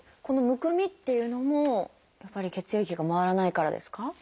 この「むくみ」っていうのもやっぱり血液が回らないからですか？